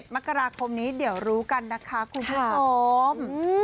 มกราคมนี้เดี๋ยวรู้กันนะคะคุณผู้ชม